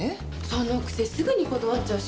そのくせすぐに断っちゃうし。